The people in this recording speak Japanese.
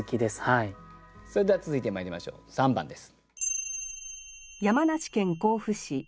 それでは続いてまいりましょう３番です。